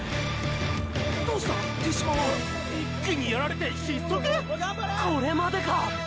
どうした手嶋は⁉一気にやられて失速⁉これまでか！！